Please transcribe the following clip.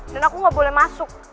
dan aku gak boleh masuk